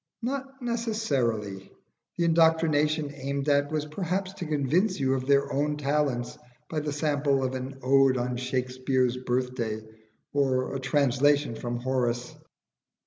Not necessarily: the indoctrination aimed at was perhaps to convince you of their own talents by the sample of an "Ode on Shakspere's Birthday," or a translation from Horace.